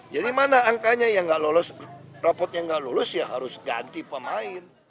jadi mana angkanya yang gak lolos raport yang gak lolos ya harus ganti pemain